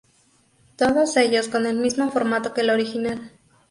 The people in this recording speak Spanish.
Todos ellos con el mismo formato que el original.